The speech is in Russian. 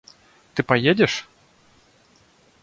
Ты поедешь?.